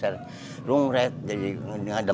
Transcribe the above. jadi hiv itu translate lebih baik jadi gajah